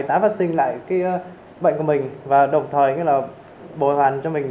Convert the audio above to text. để tái phát sinh lại cái bệnh của mình và đồng thời cái là bồi hoàn cho mình